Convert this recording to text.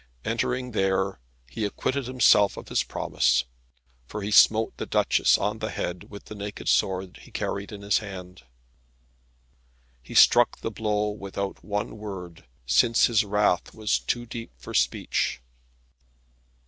Entering there he acquitted himself of his promise, for he smote the Duchess on the head with the naked sword he carried in his hand. He struck the blow without one word, since his wrath was too deep for speech.